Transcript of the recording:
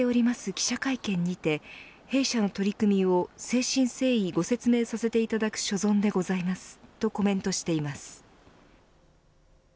記者会見にて弊社の取り組みを誠心誠意ご説明させていただく所存でございますとコメントしています。